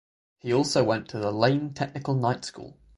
He also went to the Lane Technical night school.